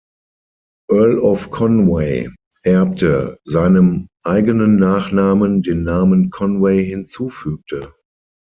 Earl of Conway, erbte, seinem eigenen Nachnamen den Namen „Conway“ hinzufügte.